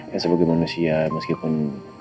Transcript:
ya sebagai manusia meskipun